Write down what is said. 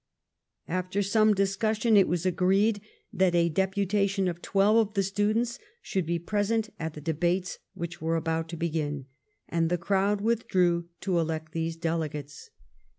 After some discussion it was agreed that a deputation of twelve of the students should be present at the debates which were about to begin, and the crowd withdrew to elect these delegates.